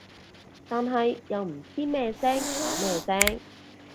但係又唔知咩聲打咩聲